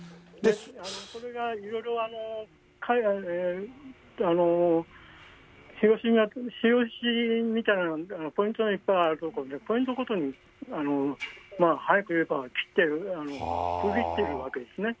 それがいろいろ、日吉みたいなポイントのいっぱいある所は、ポイントごとに、早く言えば、切ってる、区切ってるわけですね。